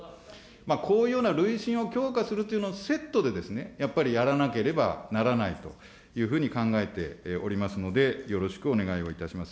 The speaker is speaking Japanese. こういうような累進を強化するというのをセットでやっぱりやらなければならないというふうに考えておりますので、よろしくお願いをいたします。